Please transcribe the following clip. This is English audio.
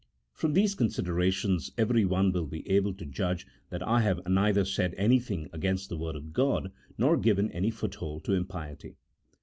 From these considerations everyone "will be able to judge that I have neither said anything against the Word of God nor given any foothold to impiety.